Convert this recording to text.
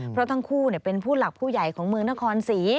เพราะทั้งคู่เป็นผู้หลักผู้ใหญ่ของเมืองนครศรี